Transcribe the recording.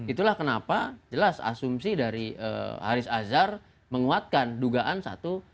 itulah kenapa jelas asumsi dari haris azhar menguatkan dugaan satu